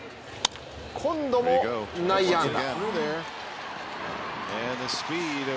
今度も内野安打。